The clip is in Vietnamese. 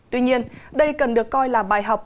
tuy nhiên đây cần được coi là bài học